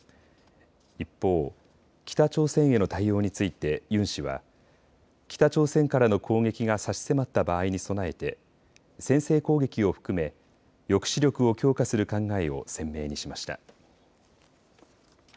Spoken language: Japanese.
一方、北朝鮮への対応についてユン氏は北朝鮮からの攻撃が差し迫った場合に備えて先制攻撃を含め抑止力を強化する考えを鮮明にしました。